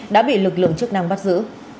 đã bị lực lượng chức năng bắt giữ